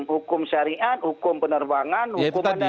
hukum syariat hukum penerbangan hukum bandara